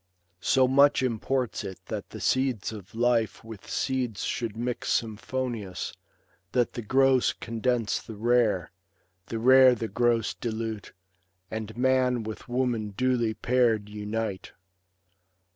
So much imports it that the seeds of life With seeds should mix symphonious, that the gross Condense the rare, the rare the gross dilute. And man with woman duly pair'd unite.